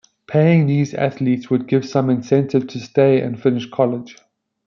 Paying these athletes would give some incentive to stay and finish college.